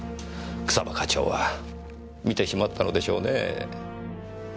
草葉課長は見てしまったのでしょうねぇ。